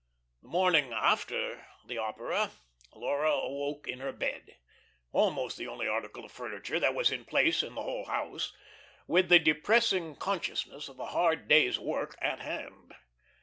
The morning after the opera, Laura woke in her bed almost the only article of furniture that was in place in the whole house with the depressing consciousness of a hard day's work at hand.